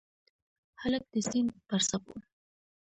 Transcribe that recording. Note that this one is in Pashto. هلک د سیند پر څپو